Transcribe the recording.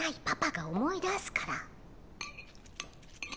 パパが思い出すから。